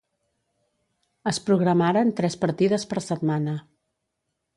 Es programaren tres partides per setmana.